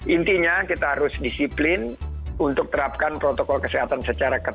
intinya kita harus disiplin untuk terapkan protokol kesehatan secara ketat